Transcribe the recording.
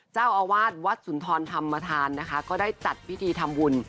เจ้าอาวาสวัดสุนทรธรรมธานนะคะก็ได้จัดพิธีทำบุญ